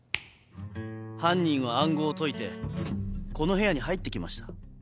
犯人は暗号を解いてこの部屋に入って来ました。